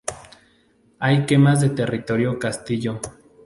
Hay quemas de toritos, castillo.